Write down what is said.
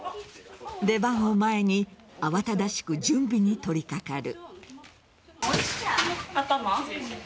出番を前に慌ただしく準備に取りかかる。